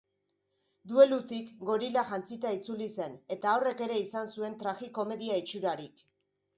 Duelutik gorila jantzita itzuli zen, eta horrek ere izan zuen tragikomedia itxurarik.